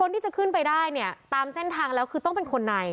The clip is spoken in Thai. ทางเส้นทางแล้วคือต้องเป็นคนไหน